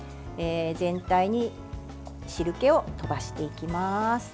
全体に汁けを飛ばしていきます。